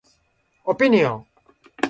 オピニオン